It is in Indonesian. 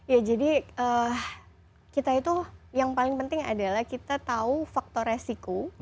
ya jadi kita itu yang paling penting adalah kita tahu faktor resiko